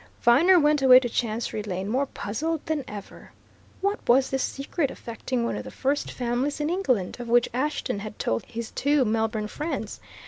Viner went away to Chancery Lane more puzzled than ever. What was this secret affecting one of the first families in England, of which Ashton had told his two Melbourne friends?